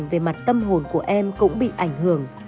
vấn đề về mặt tâm hồn của em cũng bị ảnh hưởng